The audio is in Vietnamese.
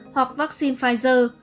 hoặc vaccine pfizer